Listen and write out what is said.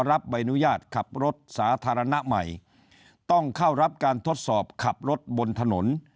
รับใบอนุญาตขับรถสาธารณะใหม่ต้องเข้ารับการทดสอบขับรถบนถนน